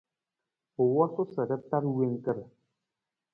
U wosu sa ra taar wangkar.